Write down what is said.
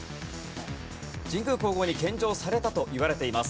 神功皇后に献上されたといわれています。